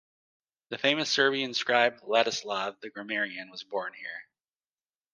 The famous Serbian scribe Vladislav the Grammarian was born here.